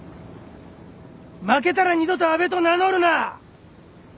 負けたら二度と阿部と名乗るな！